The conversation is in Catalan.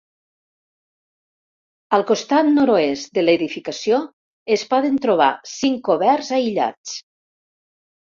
Al costat nord-oest de l'edificació es poden trobar cinc coberts aïllats.